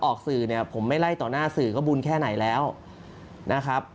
ออกสื่อเนี่ยผมไม่ไล่ต่อหน้าสื่อก็บุญแค่ไหนแล้วนะครับ